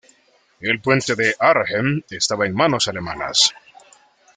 El puente de Arnhem estaba en manos alemanas.